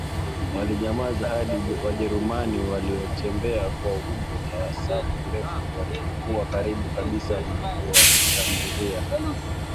walinyamaza hadi Wajerumani waliotembea kwa umbo la safu ndefu walipokuwa karibu kabisa na kuwashambulia